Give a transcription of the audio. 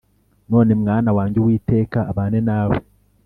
None mwana wanjye uwiteka abane nawe